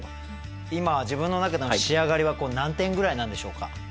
今自分の中での仕上がりはこう何点ぐらいなんでしょうか？